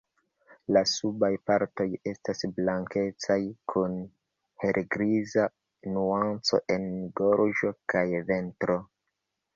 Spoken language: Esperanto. La subaj partoj estas blankecaj kun helgriza nuanco en gorĝo kaj ventro.